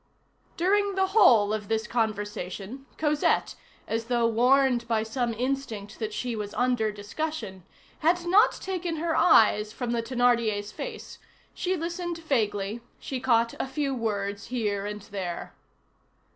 During the whole of this conversation Cosette, as though warned by some instinct that she was under discussion, had not taken her eyes from the Thénardier's face; she listened vaguely; she caught a few words here and there.